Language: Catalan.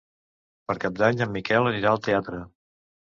Per Cap d'Any en Miquel anirà al teatre.